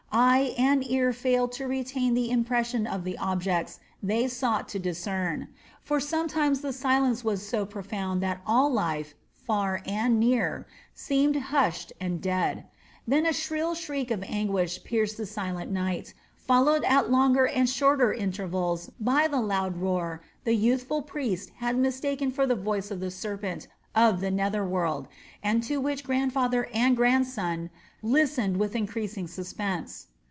Eye and ear failed to retain the impression of the objects they sought to discern; for sometimes the silence was so profound that all life, far and near, seemed hushed and dead, then a shrill shriek of anguish pierced the silence of the night, followed at longer or shorter intervals by the loud roar the youthful priest had mistaken for the voice of the serpent of the nether world, and to which grandfather and grandson listened with increasing suspense.